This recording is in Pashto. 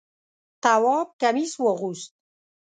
تواب کمیس واغوست.